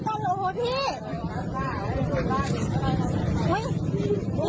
สามารถแกร่งเมื่อเวลาคนอีกนี่